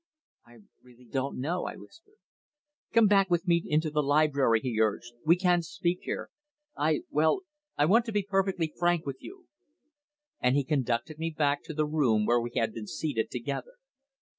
"I really don't know," I whispered. "Come back with me into the library," he urged. "We can't speak here. I well I want to be perfectly frank with you." And he conducted me back to the room where we had been seated together.